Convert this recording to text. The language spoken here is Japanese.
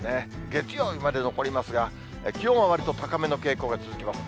月曜日まで残りますが、気温はわりと高めの傾向が続きます。